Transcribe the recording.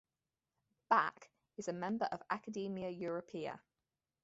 Back is a member of Academia Europaea.